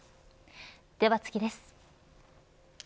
では次です。